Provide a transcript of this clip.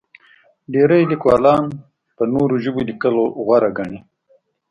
ډېری لیکوالان په نورو ژبو لیکل غوره ګڼي.